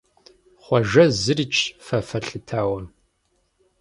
Хъуэжэ зырикӀщ фэ фэлъытауэ.